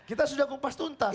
kita sudah kupas tuntas